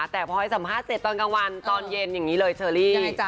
แต่พอให้สัมภาษณ์เสร็จตอนกลางวันตอนเย็นอย่างนี้เลยเชอรี่